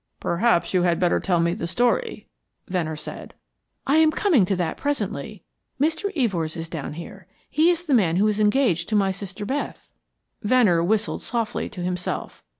"Perhaps you had better tell me the story," Venner said. "I am coming to that presently. Mr. Evors is down here; he is the man who is engaged to my sister Beth." Venner whistled softly to himself.